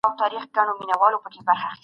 دواړه نظم غواړي.